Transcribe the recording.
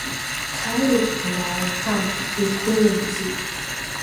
Ҭали ауаа лҭан, дыздәылымҵит.